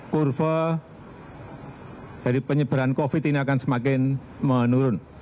kurva dari penyebaran covid ini akan semakin menurun